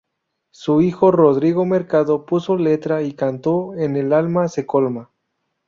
Su hijo Rodrigo Mercado puso letra y cantó en "El alma se colma".